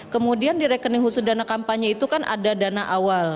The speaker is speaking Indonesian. kemudian di rekening khusus dana kampanye itu kan ada dana awal